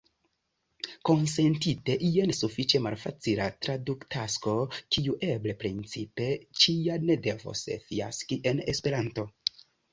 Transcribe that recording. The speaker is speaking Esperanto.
Konsentite, jen sufiĉe malfacila traduktasko, kiu eble principe ĉiam devos fiaski en Esperanto.